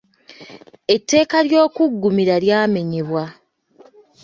Etteeka ly’okuggumira lyamenyebwa.